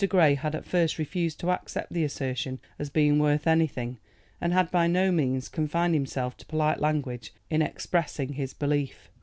Grey had at first refused to accept the assertion as being worth anything, and had by no means confined himself to polite language in expressing his belief.